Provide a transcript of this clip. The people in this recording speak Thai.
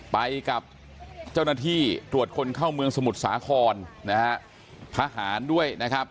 ไปกับเจ้าหน้าที่ตรวจคนเข้าเมืองสมุทรสาครนะฮะทหารด้วยนะครับ